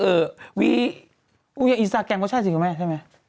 อื้อวีอินสตาร์แกนก็ใช่สิไหม